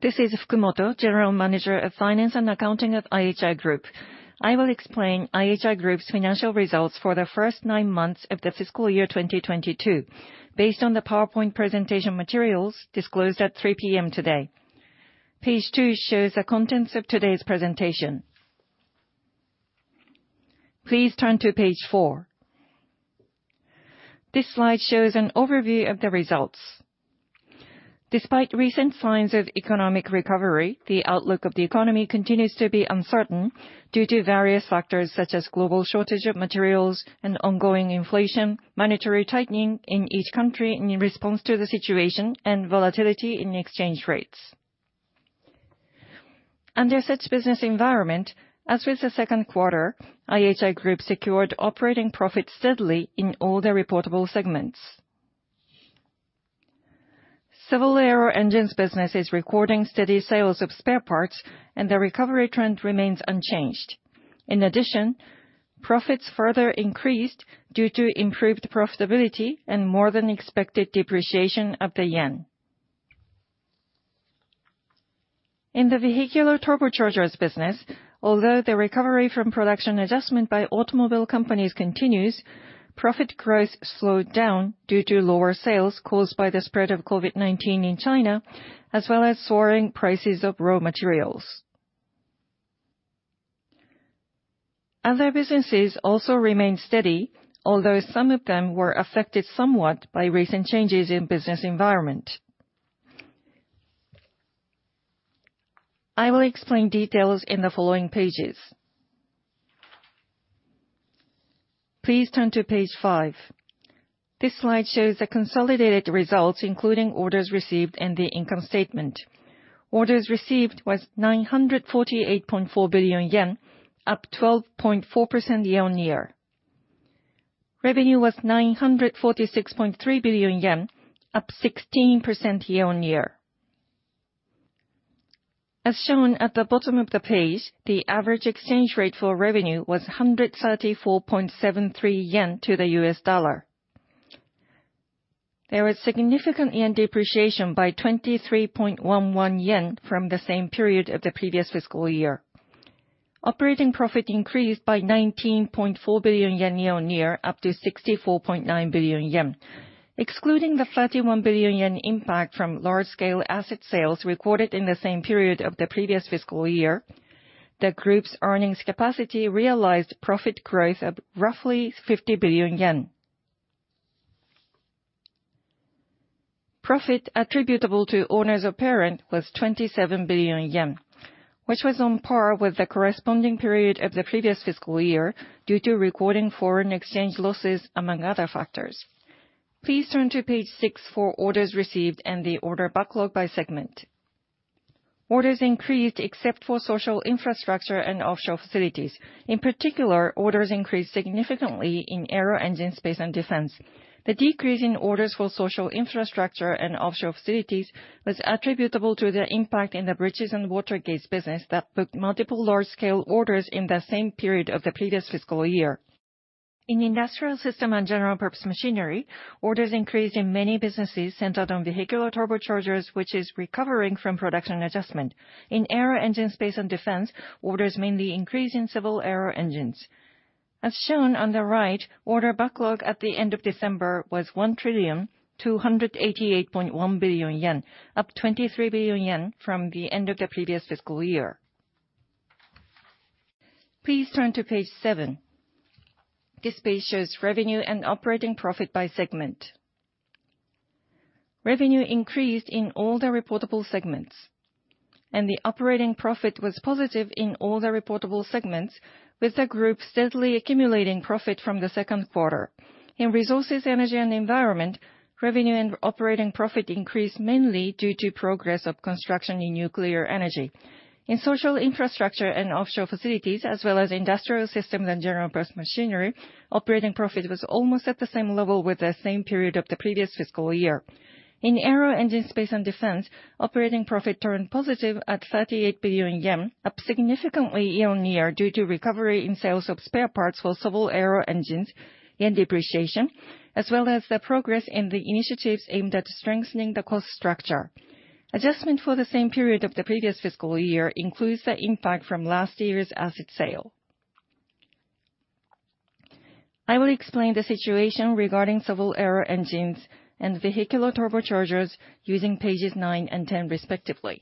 This is Fukumoto, general manager of Finance and Accounting at IHI Group. I will explain IHI Group's Financial Results for the first nine months of the Fiscal Year 2022, based on the PowerPoint presentation materials disclosed at 3:00 P.M. today. Page two shows the contents of today's presentation. Please turn to page four. This slide shows an overview of the results. Despite recent signs of economic recovery, the outlook of the economy continues to be uncertain due to various factors such as global shortage of materials and ongoing inflation, monetary tightening in each country in response to the situation, and volatility in exchange rates. Under such business environment, as with the second quarter, IHI Group secured Operating Profits steadily in all the reportable segments. Civil Aero Engines business is recording steady sales of spare parts, and the recovery trend remains unchanged. In addition, profits further increased due to improved profitability and more than expected depreciation of the yen. In the Vehicular Turbochargers business, although the recovery from production adjustment by automobile companies continues, profit growth slowed down due to lower sales caused by the spread of COVID-19 in China, as well as soaring prices of raw materials. Other businesses also remained steady, although some of them were affected somewhat by recent changes in business environment. I will explain details in the following pages. Please turn to page five. This slide shows the consolidated results, including orders received and the income statement. Orders received was 948.4 billion yen, up 12.4% year-on-year. Revenue was 946.3 billion yen, up 16% year-on-year. As shown at the bottom of the page, the average exchange rate for revenue was 134.73 yen to the US dollar. There was significant yen depreciation by 23.11 yen from the same period of the previous fiscal year. Operating Profit increased by 19.4 billion yen year-on-year, up to 64.9 billion yen. Excluding the 31 billion yen impact from large scale asset sales recorded in the same period of the previous fiscal year, the Group's earnings capacity realized profit growth of roughly 50 billion yen. Profit attributable to owners of parent was 27 billion yen, which was on par with the corresponding period of the previous fiscal year due to recording foreign exchange losses among other factors. Please turn to page six for orders received and the order backlog by segment. Orders increased except for Social Infrastructure and Offshore Facilities. In particular, orders increased significantly in Aero Engine, Space & Defense. The decrease in orders for Social Infrastructure and Offshore Facilities was attributable to the impact in the bridges and water gates business that booked multiple large scale orders in the same period of the previous fiscal year. In Industrial Systems & General-purpose Machinery, orders increased in many businesses centered on Vehicular Turbochargers, which is recovering from production adjustment. In Aero Engine, Space & Defense, orders mainly increased in Civil Aero Engines. As shown on the right, order backlog at the end of December was 1,288.1 billion yen, up 23 billion yen from the end of the previous fiscal year. Please turn to page seven. This page shows revenue and Operating Profit by segment. Revenue increased in all the reportable segments, the Operating Profit was positive in all the reportable segments, with the group steadily accumulating profit from the second quarter. In Resources, Energy and Environment, Revenue and Operating Profit increased mainly due to progress of construction in nuclear energy. In Social Infrastructure and Offshore Facilities, as well as Industrial Systems & General-purpose Machinery, Operating Profit was almost at the same level with the same period of the previous fiscal year. In Aero Engine, Space & Defense, Operating Profit turned positive at 38 billion yen, up significantly year-on-year due to recovery in sales of spare parts for Civil Aero Engines, yen depreciation, as well as the progress in the initiatives aimed at strengthening the cost structure. Adjustment for the same period of the previous fiscal year includes the impact from last year's asset sale. I will explain the situation regarding Civil Aero Engines and Vehicular Turbochargers using pages nine and 10 respectively.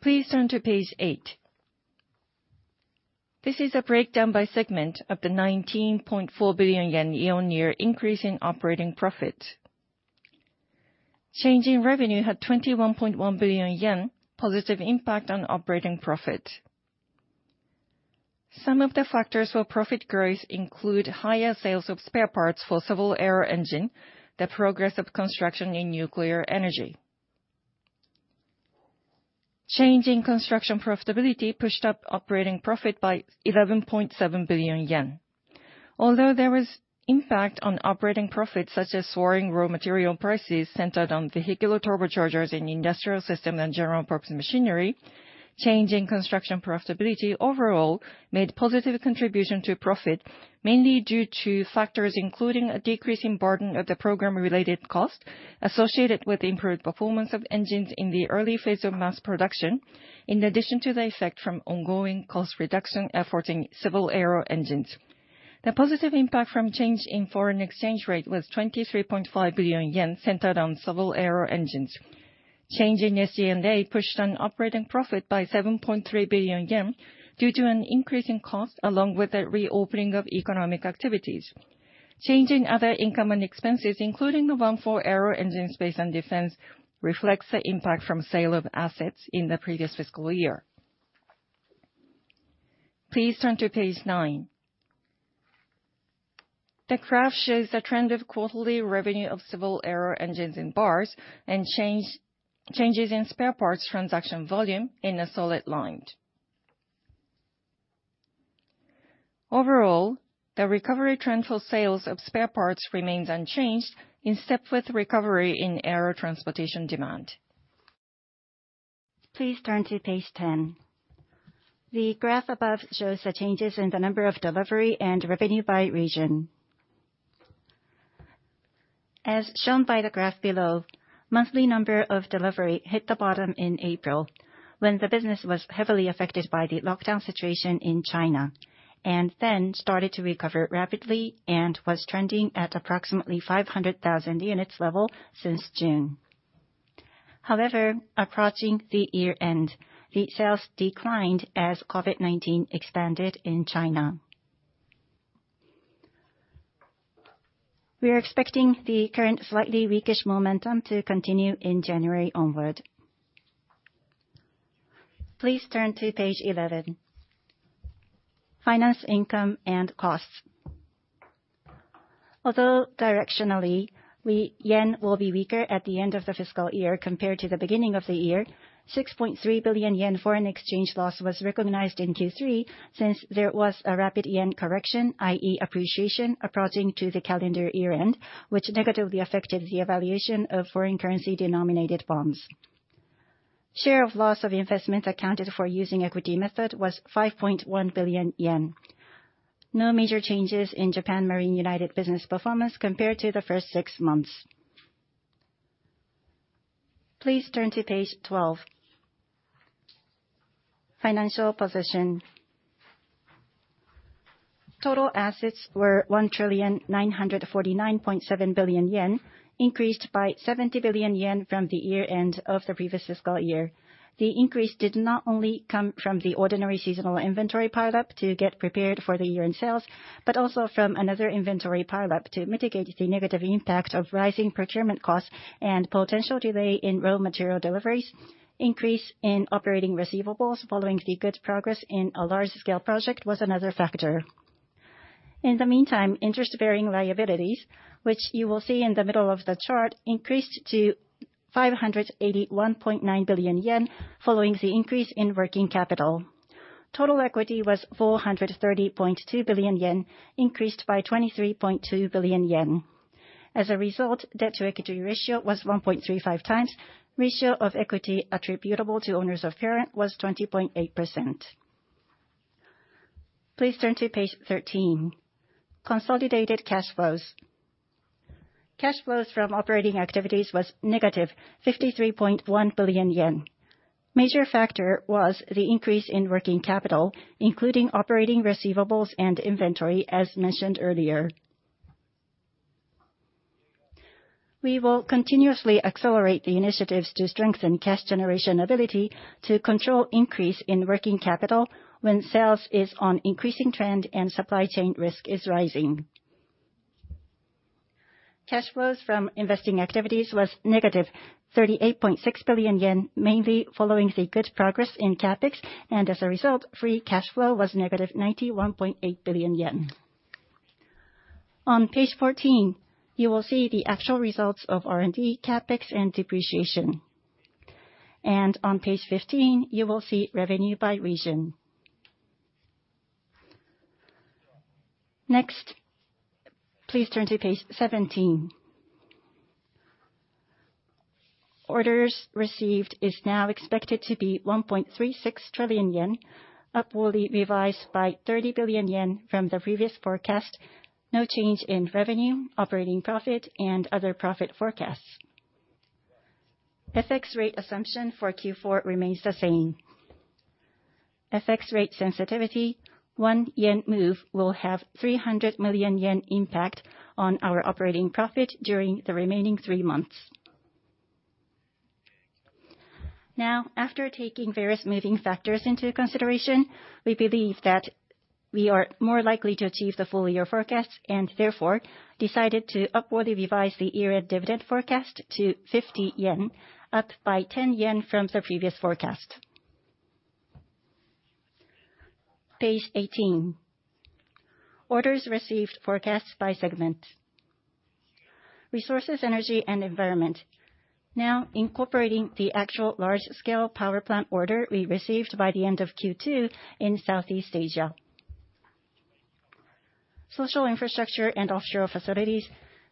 Please turn to page eight. This is a breakdown by segment of the 19.4 billion yen year-on-year increase in Operating Profit. Change in revenue had 21.1 billion yen positive impact on Operating Profit. Some of the factors for profit growth include higher sales of spare parts for Civil Aero Engine, the progress of construction in nuclear energy. Change in construction profitability pushed up Operating Profit by 11.7 billion yen. Although there was impact on Operating Profits such as soaring raw material prices centered on Vehicular Turbochargers in Industrial Systems & General-purpose Machinery, change in construction profitability overall made positive contribution to profit, mainly due to factors including a decrease in burden of the program-related cost associated with improved performance of engines in the early phase of mass production, in addition to the effect from ongoing cost reduction efforts in Civil Aero Engines. The positive impact from change in foreign exchange rate was 23.5 billion yen centered on Civil Aero Engines. Change in SG&A pushed on Operating Profit by 7.3 billion yen due to an increase in costs along with the reopening of economic activities. Change in other income and expenses, including the one for Aero Engine, Space & Defense, reflects the impact from sale of assets in the previous fiscal year. Please turn to page nine. The graph shows the trend of quarterly revenue of Civil Aero Engines in bars and changes in spare parts transaction volume in a solid line. Overall, the recovery trend for sales of spare parts remains unchanged in step with recovery in air transportation demand. Please turn to page 10. The graph above shows the changes in the number of delivery and revenue by region. As shown by the graph below, monthly number of delivery hit the bottom in April when the business was heavily affected by the lockdown situation in China, and then started to recover rapidly and was trending at approximately 500,000 units level since June. However, approaching the year-end, the sales declined as COVID-19 expanded in China. We are expecting the current slightly weakish momentum to continue in January onward. Please turn to page 11, finance income and costs. Although directionally, yen will be weaker at the end of the fiscal year compared to the beginning of the year, 6.3 billion yen foreign exchange loss was recognized in Q3 since there was a rapid yen correction, i.e. appreciation, approaching to the calendar year-end, which negatively affected the evaluation of foreign currency denominated bonds. Share of loss of investments accounted for using equity method was 5.1 billion yen. No major changes in Japan Marine United business performance compared to the first six months. Please turn to page 12, financial position. Total assets were 1,949.7 billion yen, increased by 70 billion yen from the year-end of the previous fiscal year. The increase did not only come from the ordinary seasonal inventory pileup to get prepared for the year-end sales, but also from another inventory pileup to mitigate the negative impact of rising procurement costs and potential delay in raw material deliveries. Increase in operating receivables following the good progress in a large scale project was another factor. In the meantime, interest-bearing liabilities, which you will see in the middle of the chart, increased to 581.9 billion yen, following the increase in working capital. Total equity was 430.2 billion yen, increased by 23.2 billion yen. As a result, debt-to-equity ratio was 1.35x. Ratio of equity attributable to owners of parent was 20.8%. Please turn to page 13, Consolidated Cash Flows. Cash flows from operating activities was negative 53.1 billion yen. Major factor was the increase in working capital, including operating receivables and inventory as mentioned earlier. We will continuously accelerate the initiatives to strengthen cash generation ability to control increase in working capital when sales is on increasing trend and supply chain risk is rising. Cash flows from investing activities was negative 38.6 billion yen, mainly following the good progress in CapEx, and as a result, free cash flow was negative 91.8 billion yen. On page 14, you will see the actual results of R&D, CapEx and depreciation. On page 15, you will see revenue by region. Next, please turn to page 17. Orders received is now expected to be 1.36 trillion yen, upwardly revised by 30 billion yen from the previous forecast. No change in revenue, Operating Profit, and other profit forecasts. FX rate assumption for Q4 remains the same. FX rate sensitivity, 1 yen move will have 300 million yen impact on our Operating Profit during the remaining three months. Now, after taking various moving factors into consideration, we believe that we are more likely to achieve the full year forecast and therefore decided to upwardly revise the year-end dividend forecast to 50 yen, up by 10 yen from the previous forecast. Page 18, orders received forecast by segment. Resources, Energy and Environment. Now incorporating the actual large scale power plant order we received by the end of Q2 in Southeast Asia. Social Infrastructure and Offshore Facilities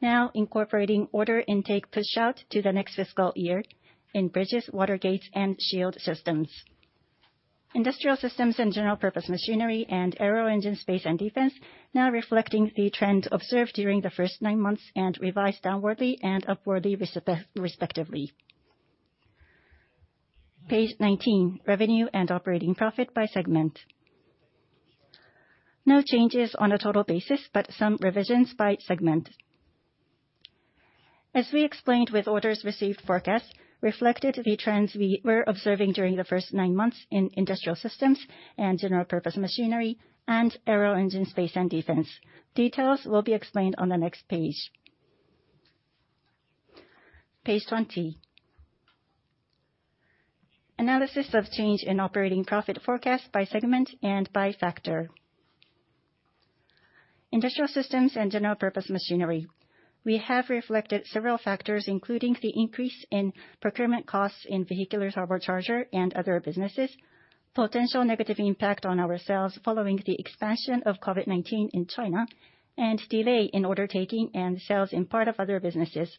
now incorporating order intake push out to the next fiscal year in bridges, water gates, and shield systems. Industrial Systems & General-purpose Machinery and Aero Engine, Space & Defense now reflecting the trends observed during the first nine months and revised downwardly and upwardly respectively. Page 19, revenue and Operating Profit by segment. No changes on a total basis, but some revisions by segment. As we explained with orders received forecast, reflected the trends we were observing during the first nine months in Industrial Systems & General-purpose Machinery and Aero Engine, Space & Defense. Details will be explained on the next page. Page 20. Analysis of change in Operating Profit forecast by segment and by factor. Industrial Systems & General-purpose Machinery. We have reflected several factors, including the increase in procurement costs in Vehicular Turbocharger and other businesses, potential negative impact on our sales following the expansion of COVID-19 in China, and delay in order taking and sales in part of other businesses.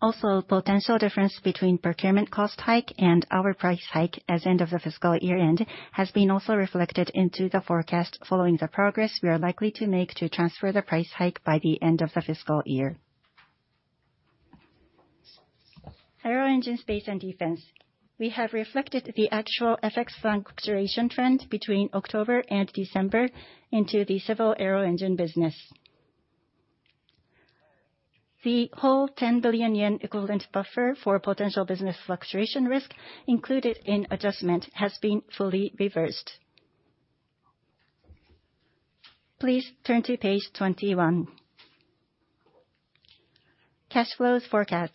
Potential difference between procurement cost hike and our price hike as end of the fiscal year-end has been also reflected into the forecast following the progress we are likely to make to transfer the price hike by the end of the fiscal year. Aero Engine, Space & Defense. We have reflected the actual FX fluctuation trend between October and December into the Civil Aero Engine business. The whole 10 billion yen equivalent buffer for potential business fluctuation risk included in adjustment has been fully reversed. Please turn to page 21. Cash flows forecast.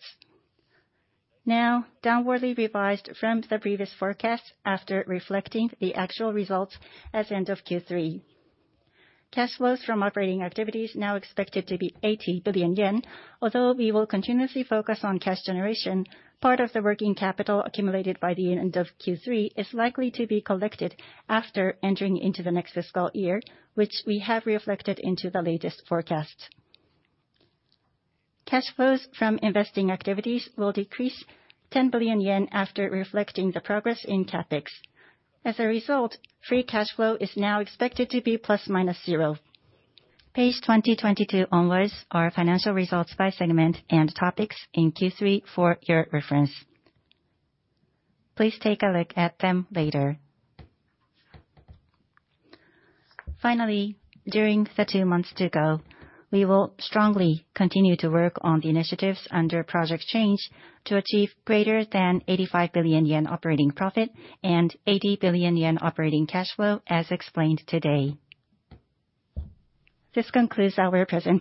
Downwardly revised from the previous forecast after reflecting the actual results as end of Q3. Cash flows from operating activities now expected to be 80 billion yen. We will continuously focus on cash generation, part of the working capital accumulated by the end of Q3 is likely to be collected after entering into the next fiscal year, which we have reflected into the latest forecast. Cash flows from investing activities will decrease 10 billion yen after reflecting the progress in CapEx. As a result, free cash flow is now expected to be ±0. Page 20, 22 onwards, our financial results by segment and topics in Q3 for your reference. Please take a look at them later. Finally, during the two months to go, we will strongly continue to work on the initiatives under Project Change to achieve greater than 85 billion yen Operating Profit and 80 billion yen operating cash flow, as explained today. This concludes our presentation.